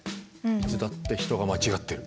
いつだって人が間違ってる。